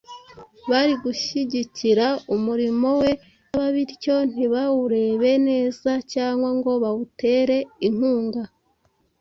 bari gushyigikira umurimo we bitaba bityo ntibawurebe neza cyangwa ngo bawutere inkunga.